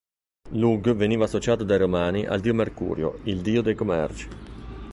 Lugh veniva associato dai romani al dio Mercurio, il dio dei commerci.